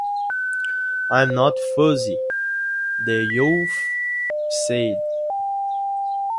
I’m not fussy, the youth said.